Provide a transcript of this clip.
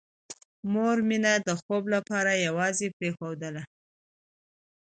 مور مينه د خوب لپاره یوازې پرېښودله